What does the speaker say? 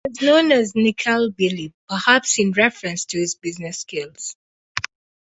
He was known as "Nickel Billy", perhaps in reference to his business skills.